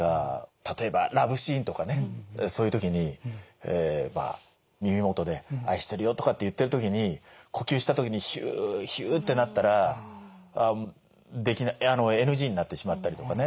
例えばラブシーンとかねそういう時にまあ耳元で「愛してるよ」とかって言ってる時に呼吸した時に「ヒューヒュー」ってなったらＮＧになってしまったりとかね。